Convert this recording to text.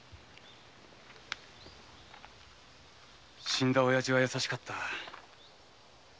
死んだ親父は優しかった。